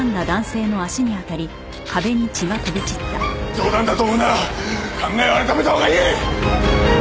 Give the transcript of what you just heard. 冗談だと思うなら考えを改めたほうがいい！